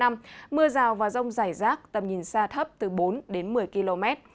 mưa rào và rông rải rác tầm nhìn xa thấp từ bốn đến một mươi km